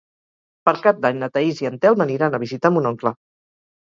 Per Cap d'Any na Thaís i en Telm aniran a visitar mon oncle.